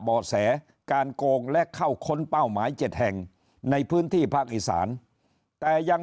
แสการโกงและเข้าค้นเป้าหมาย๗แห่งในพื้นที่ภาคอีสานแต่ยัง